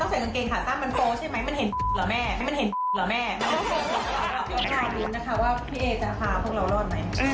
อ๋อซีสันนี้ต้องรอด